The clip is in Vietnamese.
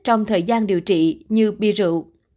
trong thời gian điều trị như bia rượu